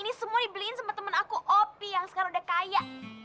ini semua dibeliin sama temen aku opi yang sekarang udah kaya